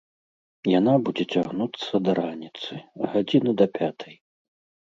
Яна будзе цягнуцца да раніцы, гадзіны да пятай.